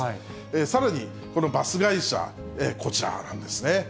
さらにこのバス会社、こちらなんですね。